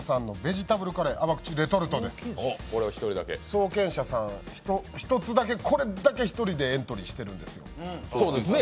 創健社さん、これだけ１人だけ１つでエントリーしているんですよ